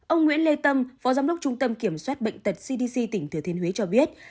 ông nguyễn lê tâm phó giám đốc trung tâm kiểm soát bệnh tật cdc tỉnh thừa thiên huế cho biết